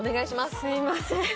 すいません